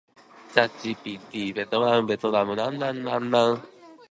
外国人労働者もお国柄があり、中国人は契約に真面目で、ベトナムなどは呑気で陽気なのが多い